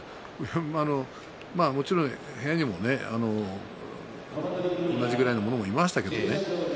もちろん部屋にも同じぐらいの者もいましたけどもね